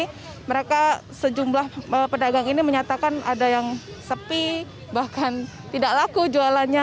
jadi mereka sejumlah pedagang ini menyatakan ada yang sepi bahkan tidak laku jualannya